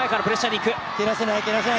蹴らせない、蹴らせない。